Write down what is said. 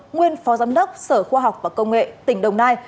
nguyên phó giám đốc sở khoa học và công nghệ tỉnh đồng nai